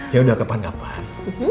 yaudah ke pandapan